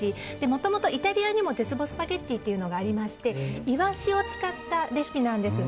もともとイタリアにも絶望スパゲティというのがありましてイワシを使ったレシピなんです。